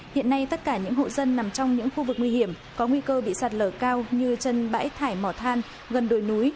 hiện nay tất cả những hộ dân nằm trong những khu vực nguy hiểm có nguy cơ bị sạt lở cao như chân bãi thải mỏ than gần đồi núi